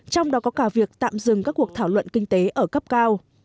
trong đó có cả việc tạm dừng các cuộc thảo luận kinh tế ở cấp cao